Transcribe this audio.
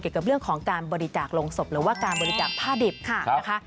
กับเรื่องของการบริจาคลงศพหรือว่าการบริจาคผ้าดิบค่ะนะคะ